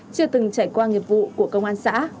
chưa từng trải qua nghiệp vụ của công an xã